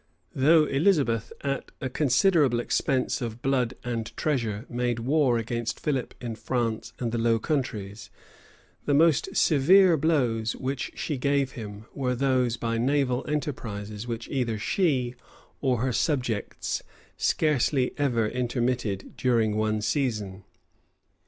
Though Elizabeth, at a considerable expense of blood and treasure, made war against Philip in France and the Low Countries, the most severe blows which she gave him, were by those naval enterprises which either she or her subjects scarcely ever intermitted during one season.